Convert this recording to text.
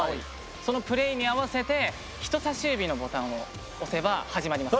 そのプレイに合わせて人さし指のボタンを押せば始まります。